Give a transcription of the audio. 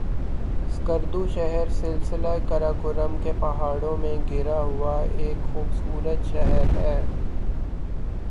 سکردو شہر سلسلہ قراقرم کے پہاڑوں میں گھرا ہوا ایک خوبصورت شہر ہے